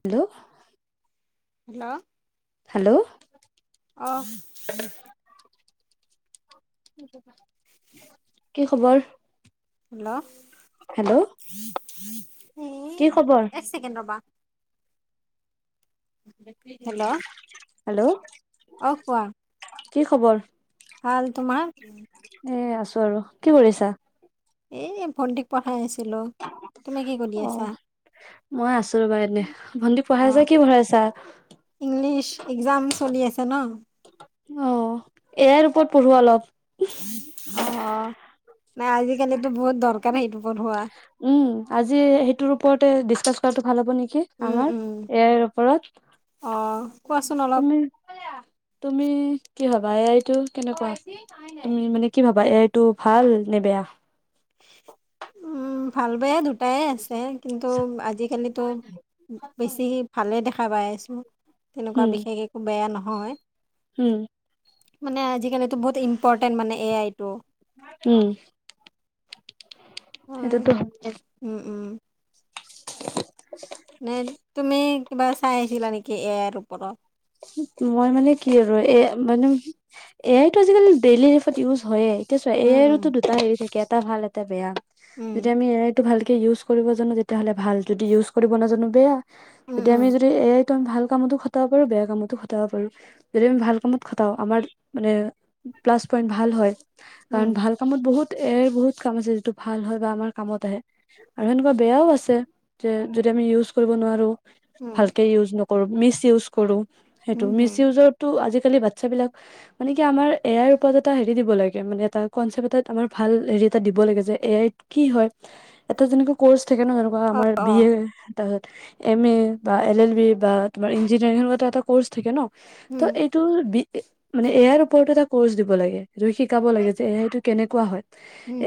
Hello. Hello hello অহ [unintelligible] কি খবৰ hello hello উম সেই এক ছেকেণ্ড ৰ'বা হেল্ল' হেল্ল' অ কোৱা কি খবৰ ভাল তোমাৰ এ আছো আৰু কি কৰিছা এই ভণ্টিক পঢ়াই আছি অ মই আছো ৰ'বা এনে ভন্টিক পঢ়াই অ আছা কি পঢ়াই আছা ইংলিছ এক্জাম চলি আছে ন অহ এই আই ওপৰত পঢ়োৱা অলপ অ অ নাই আজিকালিটো বহুত দৰ কাৰণেই এইটো পঢ়োৱা উম আজি সেইটোৰ ওপৰতে ডিচকাচ কৰাটো ভাল হ'ব নে কি উম আমাৰ উম এ আইৰ অ ওপৰত কোৱাচোন অলপ তুমি তুমি কি ভাবা এ আইটো কেনেকোৱা তুমি মানে কি ভাবা এ আইটো ভাল নে বেয়া উম ভাল বেয়া দু টাই আছে কিন্তু আজিকালিতো বেছি ভালে দেখা পায় আছো তেনেকোৱা বিশেষ একো বেয়া নহয় হয় হম মানে আজিকালি টো বহুত ইম্পৰটেন্ট মানে এ আইটো হয় এইটোতো হয়ে উম উম নাই নে তুমি কিবা চাই আহিছিলা নেকি এ আইৰ ওপৰত মই মানে কি আৰু এ মানে এ আইটো আজিকালি ডেইলি লাইফত ইউজ হয়য়ে এতিয়া চোৱা এ আইৰোতো উম, দুটা হেৰি থাকে এটা ভাল এটা বেয়া যদি উম, আমি এ আই টো ভাল কে ইউজ কৰিব জানো তেতিয়াহ'লে ভাল যদি ইউজ কৰিব নাজানো বেয়া উম, যদি আমি উম, যদি এক দম ভাল কামতো খতাব পাৰো বেয়া কামতো খটাব পাৰো যদি আমি ভাল কামত খটাও আমাৰ মানে প্লাছ পইন্ট ভাল হয় কাৰণ উম, ভাল কামত বহুত এ বহুত কাম আছে যিটো ভাল হয় বা আমাৰ কামত আহে আৰু সেনেকুৱা বেয়াও আছে যে যদি আমি ইউজ কৰিব নোৱাৰো উম, [unintelligible] ভালকে ইজ নকৰো [unintelligible] কৰ মিচইউজ কৰোঁ [unintelligible] সেইটো উম, মিচ উম, ইউজৰটো আজি আজিকালি বাচ্ছা বিলাক মানে কি আমাৰ এই আইৰ ওপৰত এটা হেৰি দিব লাগে মানে এটা কনচেপ্ট এটাত আমাৰ ভাল‌ হেৰি এটা দিব লাগে যে এই আই কি হয় এটা যেনেকৈ কৰ্চ [unintelligible] থাকে ন এনেকুৱা অ, আমাৰ অ, বি এ তাৰপিছত এম এ বা এল এল বি বা তোমাৰ ইঞ্জিনিয়াৰিংৰ সেনে কোৱা তাহাঁতক ক'ৰ্চ থাকে ন' [unintelligible] ত উম, এইটো বি মানে এ আইৰ ওপৰতো এটা কৰ্চ দিব লাগে এইটো শিকাব লাগে যে এ আইটো কেনেকুৱা হয়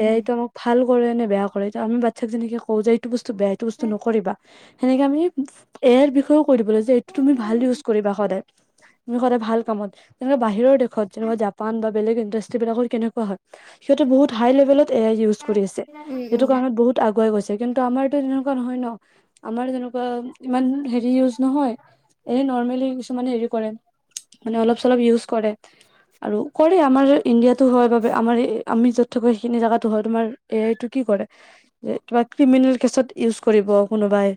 এয়া এইটো আমাক ভাল [unintelligible] কৰে নে বেয়া কৰে আমি বাচ্ছাক যেনেকে কওঁ য যে এইটো বস্তু [unintelligible] বেয়া এইটো বস্তু নকৰিবা সেনেকে আমি এ আগৰ বিষয়েও কৈ দিব যে এইটো তুমি ভাল ইউজ সদায় ভাল কামত যেনেকে বাহিৰৰ দেশত যেনেকুৱা জাপান বা বেলেগ ইণ্ডাষ্ট্ৰী বিলাকত কেনেকুৱা হয় সিহঁতে বহুত হাই লেভেলত [unintelligible] এ আই ইউজ কৰি আছে উম, উম, যিটো উম, কাৰণত বহুত আগুৱাই গৈছে [unintelligible] কিন্তু আমাৰটো তেনেকুৱা নহয় ন আমাৰ তেনেকুৱা ইমান হেৰি ইউজ নহয় এই নৰ্মেল কিছুমানে হে ৰি কৰে মানে অলপ চলপ ইউজ কৰে আৰু কৰে আমাৰ ইণ্ডিয়াটো হয় বাবে আমাৰ আমি যত থাকো সেইখিনি জেগাতো হয় তোমাৰ এই আইটো কি কৰে যে কিবা ক্ৰিমিনেল কেচত ইউজ কৰিব কোনোবাই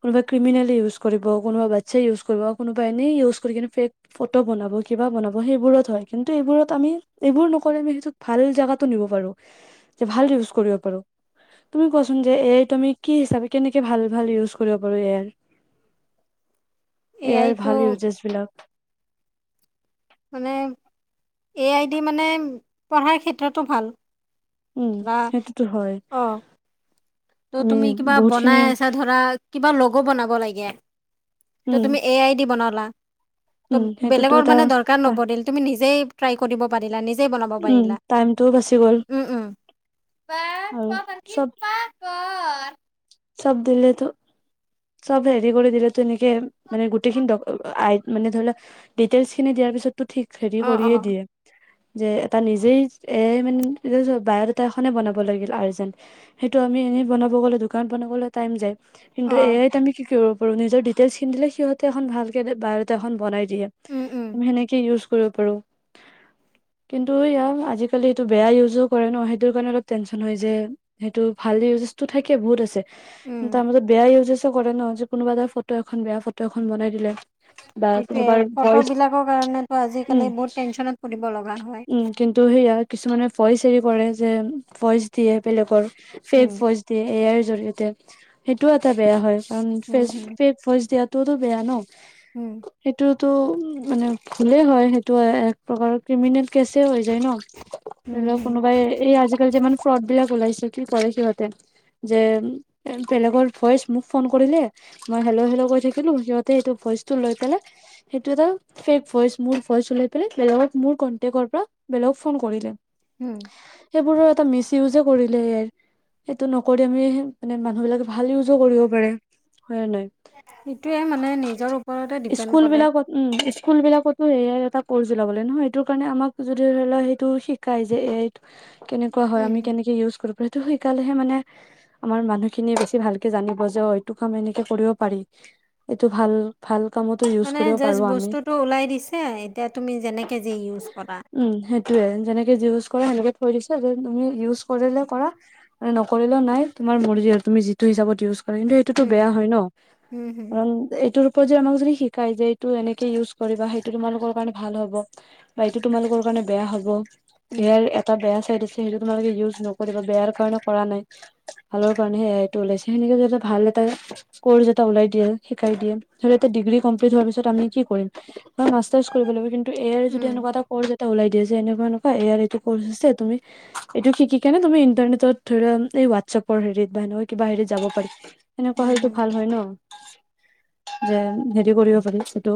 কোনোবাই ক্ৰিমিনেল ইউজ কৰিব কোনোবা বাচ্ছাই ইউজ কৰিব কোনোবাই এনেই ইউজ কৰি কিনে ফেক ফটো বনাব কিবা বনাব সেইবোৰত হয় কিন্তু এইবোৰত আমি এইবোৰ নকৰি আমি সেইটো ভাল জেগাতো নিব পাৰো যে ভাল ইউজ কৰিব পাৰো তুমি কোৱাচোন যে এ আইটো কি হিচাপে কেনেকে ভাল ভাল ইউজ কৰিব পাৰো এ আই এ আইৰ ভাল ইউজেছ বিলাক মানে এ আইদি মানে পঢ়াৰ ক্ষেত্ৰতো ভাল উম ধৰা সেইটোতো হয় অ, ত আমি তুমি কিবা বহুতখিনি বনাই আছা ধৰা কিবা লগ' বনাব লাগিব [unintelligible] এ আইত [unintelligible] ত উম তুমি এ আইদি বনালা ত উম সেইটোতো বেলেগৰ এটা মানে দৰকাৰ এটা নপৰিল তুমি নিজেই [unintelligible] ট্ৰাই কৰিব পাৰিলা নিজেই নিজেই বনাব উম পাৰিলা টাইমটোও বাচি গ'ল উম উম আৰু চব চব দিলেতো চব হেৰি কৰি দিলোটো এনেকে মানে গোটেইখিনিই মানে ধৰি লোৱা ডিটেইলছ খিনি দিয়াৰ পিছত [unintelligible] টো ঠিক হেৰি অ, অ, কৰিয়ে দিয়ে যে এটা নিজেই এ আই মানে বায়'ডাটা এখনেই বনাব লাগিল আৰ্জেন্ট সেইটো আমি এনেই বনাব গ'লে [unintelligible] দোকানত বনাবলৈ টাইম যায় কিন্তু এ অ, আইক আমি কি কৰিব আৰু নিজৰ ডিটেইলছ খিনি দিলে সিহঁতে এখন ভালকে বায়'ডাতা এখন বনাই দিয়ে উম, উম, সেনেকে ইউজ কৰিব পাৰোঁ কিন্তু এয়াও আজিকালি এইটো বেয়া ইউজো কৰে ন সেইটো কাৰণে অলপ টেনচন হৈ যায় সেইটো ভাল ইউজ টো থাকি এ বহুত আছে উম। তাৰ মাজত বেয়া ইউজো আছে কৰে ন যে কোনোবা এটা ফটো এখন বেয়া ফটো এখন বনাই দিলে বা সেইটোৱে কোনোবাৰ ভইচ ফটোবিলাকৰ কাৰণেতো উম আজিকালি বহুত টেনচনত পৰিব লগা হয় উম কিন্তু সেয়া কিছুমানে ভইচ হেৰি কৰে যে ভইচ দিয়ে বেলেগৰ উম, ফেক ভয়েচ এ আইৰ জৰিয়তে সেইটোও এটা বেয়া হয় কাৰণ ফেক ভইচ দিয়াটো ত'তো বেয়া ন হোম টো মানে ভুলে হয় সেইটো এক প্ৰকাৰৰ ক্ৰিমিনেল কেছে হৈ যায় ন হুম, ধৰি লওক হুম, কোনোবাই এই আজিকালি যে ইমান ফ্ৰড বিলাক ওলাইছে কি ক'লে সিহঁতে যে বেলেগৰ ভইচ মোক ফোন কৰিলে মই হেল্ল' হেল্ল' কৈ থাকিলো সিহঁতে সেইটো ভইচটো লৈ পেলাই সেইটো এটা ফেক ভইচ মোৰ ভইচ লৈ পেলাই বেলেগক মোৰ কনটেকৰ পৰা বেলেগক ফোন কৰিলে হোম সেইবোৰো এটা মিছ ইউজে কৰিলে এই আইৰ সেইটো নকৰি আমি মানে মানুহ বিলাকে ভাল ইউজো কৰিব পাৰে হয় নাই সেইটোয়ে মানে নিজৰ ওপৰতে ডিপেণ্ড স্কুল কৰে। বিলাকত উম স্কুল বিলাকত এ আই এটা কৰ্চ ওলাব লাগে নহয় সেইটো কাৰণে আমাক যদি ধৰি লোৱা সেইটো শিকাই যে এ আই কেনেকুৱা হয় উম, আমি কেনেকে ইউজ কৰোঁ সেইটো শিকালে হে মানে আমাৰ মানুহ খিনিয়ে বেছি ভালকে জানিব যে অ এইটো কাম এনেকে কৰিব পাৰি এইটো ভাল ভাল কামতো ইউজ মানে কৰিব পাৰো জাষ্ট আমি বস্তুটো ওলাই দিছে এতিয়া তুমি যেনেকে যি ইউজ কৰা সেইটোৱে যেনেকে যি ইউজ কৰা সেনেকে থৈ দিছে তুমি ইউজ কৰিলে কৰা মানে নকৰিলেও নাই তোমাৰ মৰজি আৰু তুমি যিটো হিচাপত ইউজ কিন্তু এইটোতো উম, বেয়া হয় ন হুম, হুম, কাৰণ এইটোৰ যে আমাক যদি শিকাই যে এইটো এনেকে ইউজ কৰিবা সেইটো তোমালোকৰ কাৰণে ভাল হ'ব বা এইটো তোমালোকৰ কাৰণে বেয়া হ'ব হুম, ইয়াৰ এটা বেয়া চাইড আছে সেইটো তোমালোকে ইউজ নকৰিবা বেয়াৰ কাৰণক কৰা নাই ভালৰ কাৰণেহে এ আইটো ওলাইছে সেনেকে ভাল এটা কৰ্চ এটা ওলাই দিয়ে শিকাই দিয়ে ধৰা এতিয়া ডিগ্ৰী কমপ্লিট হোৱাৰ পিছত আমি কি কৰিম বা মাষ্টাৰ্চ কৰিব লাগিব কিন্তু এ আইৰ যদি উম, এনেকুৱা এটা ক এটা ওলাই দিয়া যে এনেকুৱা এনেকুৱা এ আইৰ এইটো কোৰচ আছে তুমি এইটো শিকি কিনে তুমি ইণ্টাৰনেটত ধৰা এই ৱাটছাপৰ হেৰিত বা সেনেকুৱা কিবা হেৰিত যাব পাৰি সেনেকুৱা হুম, হয়তো হুম, ভাল হয় ন? যে হেৰি কৰিব পাৰি এইটো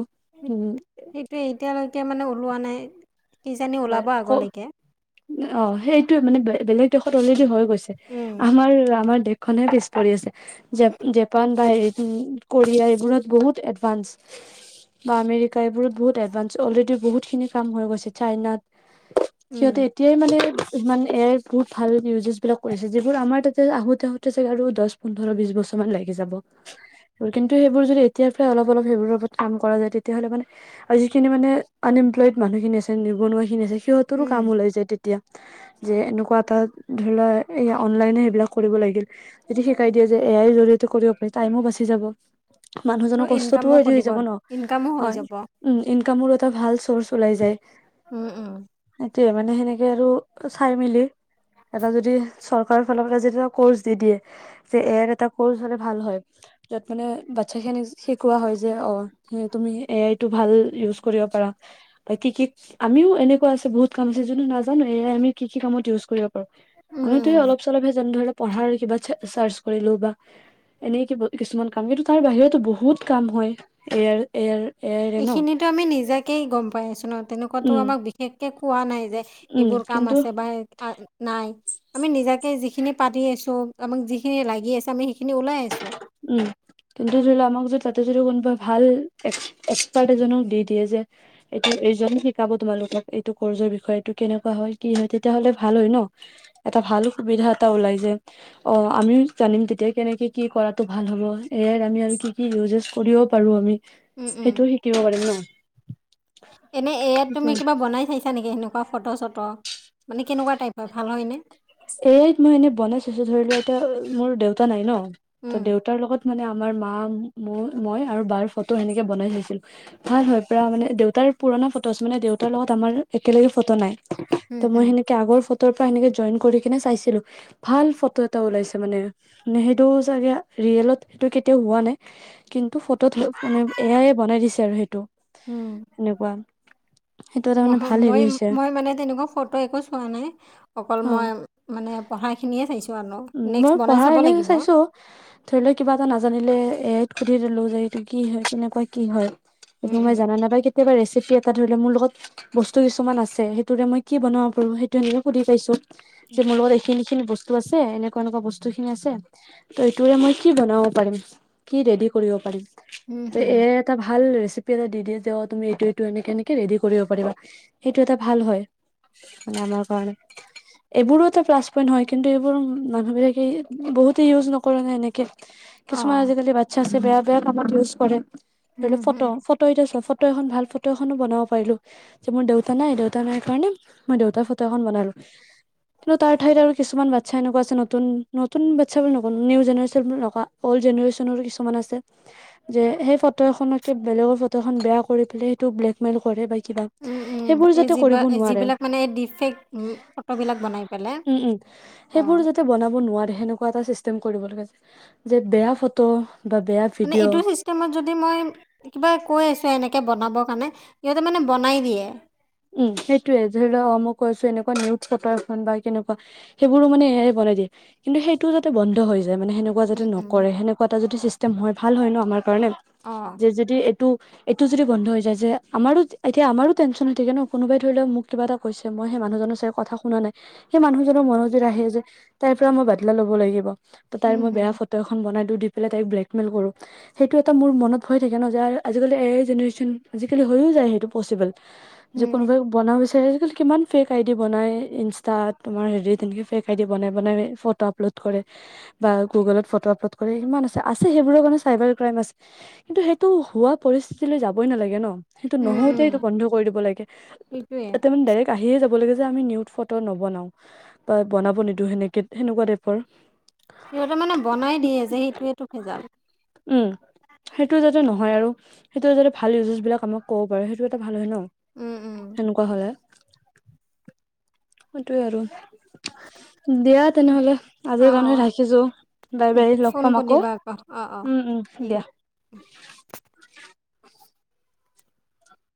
সেইটোয়ে এতিয়ালৈকে মানে ওলোৱা নাই। কিজানি ওলাব ক আগলৈকে। অ সেইটোয়ে মানে বেলেগ দেশত অলৰেডী হয়। হৈছে, উম, আমাৰ আমাৰ দেশ খনে পিছ পৰি আছে। যে জাপান বা হেৰি কোৰিয়া এইবোৰত বহুত এডভান্স। বা আমেৰিকা এইবোৰত বহুত এডভান্স, অলৰেডি বহুতখিনি কাম হৈ গৈছে। চাইনাত উম, সিহঁতে এতিয়াই মানে ইমান এ আই ৰ বহুত ভাল ইউজেছ বিলাক কৰিছে, যিবোৰ আমাৰ তাতে আহোতে আহোতে চাগে আৰু দছ, পোন্ধৰ বিশ বছৰ মান লাগি যাব। কিন্তু সেইবোৰ যদি এতিয়াৰ পৰা অলপ অলপ সেইবোৰৰপ কাম কৰা যায় তেতিয়াাহলে মানে, আৰু যিখিনি মানে আনএমপ্লয়ড মানুহখিনি আছে নিবনুৱাখিনি আছে সিহঁতৰো উম, কাম ওলাই যায় তেতিয়া। যে এনেকুৱা এটা ধৰা এইয়া অনলাইন এ সেইবিলাক কৰিব লাগিল, যদি শিকাই দিয়ে যে এ আই জৰিয়তে কৰিব পাৰি, টাইম উ বাছি যাব। মানুহ আৰু ইনকামো কৰিব ইনকামো হৈ যাব। উলাই যায়। উম, উম, দে মানে সেনেকে আৰু চাই মেলি এটা যদি চৰকাৰ খনৰ যেতিয়া কৰ্চ দি দিয়ে, যে এ আইৰ এটা কৰ্চ হলে ভাল হয় ল, য'ত মানে বাচ্ছা খিনিক শিকোৱা হয় যে, অ স তুমি এ আই টো ভাল ইউজ কৰিব পাৰা বা কি কি আমিও এনেকুৱা আছে বহুত কাম আছে, যোনো নাজানো এ আই আমি কি কামত ইউজ কৰিব উম, আমি তো সেই উম। অলপ চলপহে যানো ধৰক পঢ়াৰ কিবা চাৰ্চ কৰিলো বা এনে কিব কিছুমান কাম কিু তাৰ বাহিৰতো বহুত কাম হয় এয়াৰ এয়াৰ এয়াৰে ন এইখিনিতো আমি নিজাকে গম পাই আছো ন। তেনেকুৱাতো উম আমাক বিশেষকে পোৱা নাই। যে উম এইবোৰ কাম কিন্তু আছে বা নাই। আমি নিজাকে যিখিনি পাতি আছো আমাক যিখিনি লাগি আছে আমি সেইখিনি ওলাই আছোঁ [unintelligible] উম কিন্তু ধৰি লও আমাক য ততে যদি কোনোবাই ভাল্ এক্সপাৰ্ট এজনক দি দিয়ে যে, এইটো এইজন শিকাব তোমালোকক এইটো কৰ্চৰ বিষয়ে এইটো কেনেকুৱা হয় কি নহয় তেতিয়াাহলে ভাল হয় ন? এটা ভাল সুবিধা এটা ওলাই যায়। অ আমিও জানিম তেতিয়া কেনেকে কি কৰাতটো ভাল হ'ব? এ আই ৰ আমি আৰু কি কি ইউজেজ কৰিবও পাৰো আমি? সেইটো শিকিব পাৰিম ন। [inaudible] এনে এ আইত তুমি সেইটোৱে কিবা বনাই চাইছা নেকি সেনক? ফটো চটো মানে কেনেকুৱা টাইপ হয় ভাল হয় নে এই মই এনেই বনাই চাইছো ধৰিলোৱা এতিয়া মোৰ দেউতা নাই ন ত উম দেউতাৰ লগত মানে আমাৰ মা মোৰ মই আৰু বাৰ ফটো সেনেকে বনাই চাইছিলো। ভাল হয় পৰা মানে দেউতাৰ পুৰণা ফটো মানে দেউতাৰ লগত আমাৰ একেলগে ফটো নাই। ত হুম মই হুম সেনেকে আগৰ ফ টোৰ পৰা সেনেকে জয়েন কৰি কিনে চাইছিলো ভাল ফটো এটা ওলাইছে মানে, সেইটো চাগে ৰিয়েলত সেইটো কেতিয়াও হোৱা নাই কিন্তু ফটো মানে এয়াইে বনাই দিছে আৰু সেইটো। হুম সেনেকুৱা। সেইটো এটা মানে মই, ভাল হেৰি হৈছে মই মানে তেনেকুৱা ফটো একো চোৱা নাই। অকল অ মই মানে পঢ়া খিনিয়ে চাইছো। উম, মই পঢ়া এনে চাইছো ধৰি লও কিবা এটা নাজানিলে এ আইত সুধি দিলো যে এইটো কি হয় কেনেকুৱা কি হয়। এইটো মই জানা নাপায় কেত কেতিয়াবা ৰেচিপি এটা ধৰি মোৰ লগত বস্তু কিছুমান আছে, সেইটোৰে মই কি বনাব পাৰো সেইটোক সুধি চাইছো। যে মোৰ লগত এইখিনি-খিনি বস্তু আছে। এনেকুৱা, এনেকুৱা বস্তু খিনি আছে, ত' এইটোৰে মই কি বনাব পাৰিম কি ৰেডি কৰিব পাৰিম। ত, এ আই এটা ভাল ৰেচ- পি এটা দি দিয়ে যে অ তুমি এইটো এইটো এনেকে ৰেডি কৰিব পাৰিবা সেইটোএটা ভাল হয় বনাবৰ কাৰনে এইবোৰো এটা প্লাচ পইণ্ট হয় কিন্তু বোৰ-মানুহবিলাকে বহুতেই ইউজ নকৰে ন এনেক কিছুমান আজিকালি বাচ্ছা আছে বেয়া বেয়া কামত ইউজ কৰে। ধৰি লও অঁ ফটো, ফটো এতিয়া চ ফ ফটো এখন ভাল ফটো এখনো বনাব পাৰিলোঁ যে মোৰ দেউতা নাই দেউতা নাই, কাৰণে মই দেউতাৰ ফটো এখন বনালো। কিন্তু তাৰ ঠাইত আৰু কিছুমান বা বাচ্ছা এনেকুৱা আছে নতুন, নতুন বাচ্ছা বুলি নক নিউ জেনেৰেশ্যন বুলি নক অল্ড জেনেৰেশ্যনৰো কিছুমান আছে যে সেই ফটো এখনক বেলেগৰ ফটো এখন বেয়া কৰি পেলাই সেইটো ব্লেকমেইল কৰে বা- কিবা উম, উম, সেইবোৰ এই যাতে যিবা কৰিব নোৱাৰে, যিবিলাক মানে এই ডিফেক্ট ফটোবিলাক বনাই পেলাই উম, উম। সেইবোৰ অ', যাতে বনাব নোৱাৰে হেন- কুৱা এটা চিষ্টেম কৰিব ল যে বেয়া ফটো বা বেয়া মানে ভিডিঅ' এইটো চিষ্টেমত যদি মই কিবা কৈ আছো, এনে কেবনাব কাৰণে সিহঁতে মানে বনাই দিয়ে। উম সেইটোয়ে যে ধৰি লওক অ, মই কৈছো এনেকুৱা নিউত ফটো এখন বা কেনেকুৱা সেইবোৰো মানে এ আই বনাই দিয়ে, কিন্তু সেইটোও যাতে বন্ধ হৈ যা- য় মানে সেনেকুৱা যদি উম, উম, নকৰে, সেনেকুৱা এটা যদি চিষ্টেম হয়। ভাল হয় ন আমাৰ। কাৰনে অ', যে যদি এ- টো এইটো যদি বন্ধ হৈ যায় যে, আমাৰো এতিয়া আমাৰ টেনচন গোতে ন কোনোবাই ধৰি লওক মোক কিবা এটা কৈছে, মই সেই মানুহজনৰ চাগ কথা শুনা নাই সেই মানুহজনৰ মনত যেদি আহে যে তাইৰ পৰা মই বাদলা ল'ব লাগিব। [unintelligible] ত, তাই, উম, মই হুম, বেয়া ফটো এখন বনাই দি [unintelligible] তাইক ব্লেকল কৰো সেইটো এটা মোৰ মনত ভয় থাকে ন আজালি জনেন আজি হৈয়ও যায় সেইটো পচিবল যে উম, কোনোবাই বনাোৱা আজিকালি কিমান ফেক আইডি বনাই ইনষ্টাত তোমাৰ হেৰি তেনেকে ফেক আইডি বনাই বনাই ফটো আপলোড কৰে বা গুগলত ফটো আপলোড কৰে কিমান আছে আছে সেইবোৰৰ কাৰণে চাইবাৰ ক্ৰাইম আছে কিন্তু সেইটো হোৱা পৰিস্থিতিলৈ যাবই নালাগে ন [unintelligible] সেইটো উম, নহওঁতে উম, সেইটো বন্ধ কৰি দিব লাগে [unintelligible] সেইটোৱে াব ল যে আমি নিউ ফটো নবনাও বা বনাব নিদিওঁ সেনেকে সেনেকুৱা টাইপৰ [unintelligible] সিহঁতে মানে বনাই দিয়ে যে সেইটোোৱেইটো ভিজাল উম [unintelligible] সেইটো যাতে নহয় আৰু সেইটো যতে ভাল ইউজেছ বিলাক আমাক ক'ব পাৰে সেইটো এটা ভাল হয় ন [unintelligible] উম উম, সেনেকুৱা হলে সেইটোোৱে আৰু দিয়া তেনেহলে অ', আজিৰ কাৰণে অ', ৰাখিছো বাৰে বাৰ লগ ফোন পাম আকৌ কৰিবা অ', অ', উম উম ঠিক আছে। দিয়া [unintelligible]